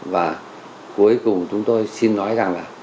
và cuối cùng chúng tôi xin nói rằng là